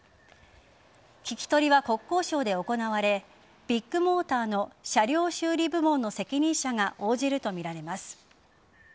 聞き取りは国交省で行われビッグモーターの車両修理部門の責任者が応じるとみられます。